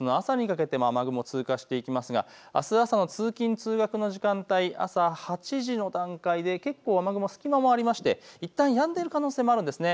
さらにあすの朝にかけても雨雲、通過していきますがあす朝の通勤通学の時間帯、朝８時の段階で結構、雨雲、隙間もあっていったんやんでいる可能性もあります。